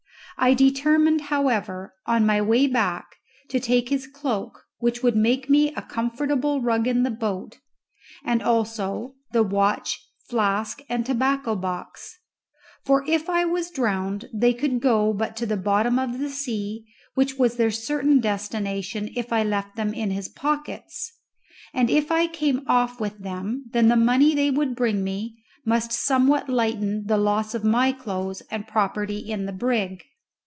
I determined, however, on my way back to take his cloak, which would make me a comfortable rug in the boat, and also the watch, flask, and tobacco box; for if I was drowned they could but go to the bottom of the sea, which was their certain destination if I left them in his pockets; and if I came off with them, then the money they would bring me must somewhat lighten the loss of my clothes and property in the brig.